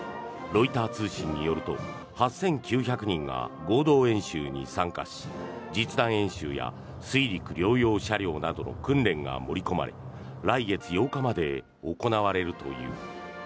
ロイター通信によると８９００人が合同演習に参加し実弾演習や水陸両用車両などの訓練が盛り込まれ来月８日まで行われるという。